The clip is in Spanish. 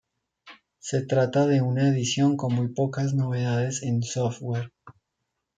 Se trata de una edición con muy pocas novedades en software.